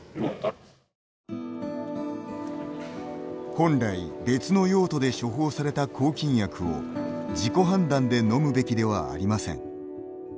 本来、別の用途で処方された抗菌薬を、自己判断で飲むべきではありません。